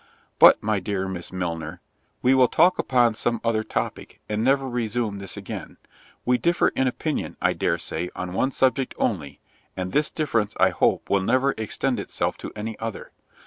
But, my dear Miss Milner, we will talk upon some other topic, and never resume this again—we differ in opinion, I dare say, on one subject only, and this difference I hope will never extend itself to any other.